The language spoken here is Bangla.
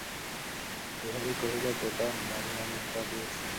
তবে চুল ছোট করলেও অনেকেই বলে, আমি নাকি দেখতে খুলিতের মতো।